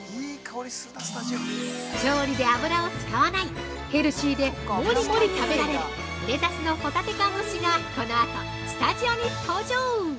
◆調理で油を使わないヘルシーで、もりもり食べられるレタスのほたて缶蒸しがこのあと、スタジオに登場！